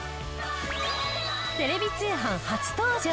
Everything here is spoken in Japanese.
テレビ通販初登場！